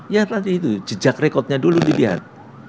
ya tadi itu jejak rekodnya dulu dilihat